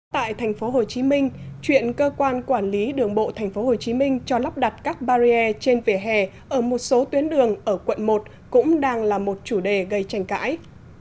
tại tp hcm chuyện cơ quan quản lý đường bộ tp hcm cho lắp đặt các barrier trên vỉa hè ở một số tuyến đường ở quận một cũng đang là một chủ đề gây tranh cãi